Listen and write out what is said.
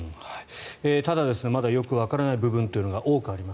ただまだよくわからない部分というのも多くあります。